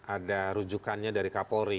ada rujukannya dari kapolri